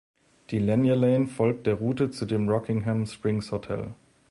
Die Lanier Lane folgt der Route zu dem Rockingham Springs Hotel.